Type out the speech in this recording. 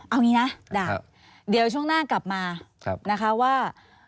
เอางี้นะเดี๋ยวช่วงหน้ากลับมานะคะว่า